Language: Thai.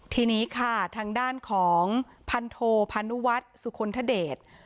ทีนี้ค่ะทางด้านของพันโทพานุวัฒน์สุคลทเดช